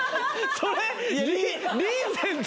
それ。